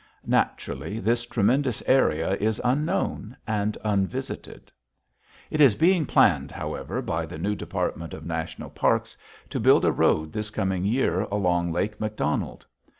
Naturally, this tremendous area is unknown and unvisited. It is being planned, however, by the new Department of National Parks to build a road this coming year along Lake McDonald.